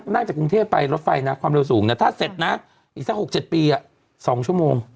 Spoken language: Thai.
จากกรุงเทพไปรถไฟนะความเร็วสูงนะถ้าเสร็จนะอีกสัก๖๗ปี๒ชั่วโมง